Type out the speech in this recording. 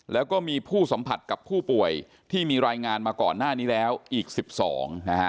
แล้วก็มีผู้สัมผัสกับผู้ป่วยที่มีรายงานมาก่อนหน้านี้แล้วอีก๑๒นะฮะ